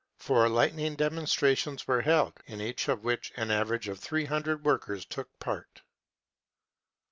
Four Jightning demonstrations were held, in each of which an average of 300 young workers took part.